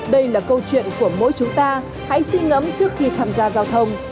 đây là câu chuyện của mỗi chúng ta hãy suy ngẫm trước khi tham gia giao thông